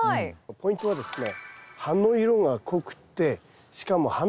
ポイントはですね